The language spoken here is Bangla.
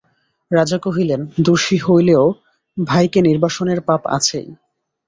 রাজা কহিলেন, দোষী হইলেও ভাইকে নির্বাসনের পাপ আছেই।